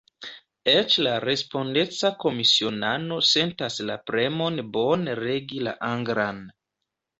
Eĉ la respondeca komisionano sentas la premon bone regi la anglan.